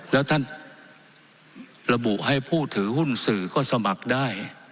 แล้วท่านระบุให้ผู้ถือหุ้นสื่อก็สมัครได้